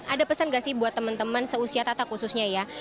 ada pesan gak sih buat teman teman seusia tata khususnya ya